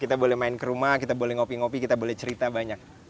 kita boleh main ke rumah kita boleh ngopi ngopi kita boleh cerita banyak